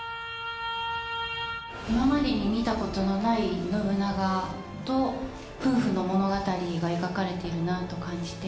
今までに見たことのない信長と、夫婦の物語が描かれているなと感じて。